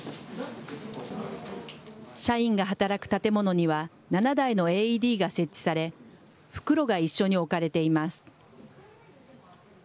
社員が働く建物には７台のＡＥＤが設置され、袋が一緒に置かれています。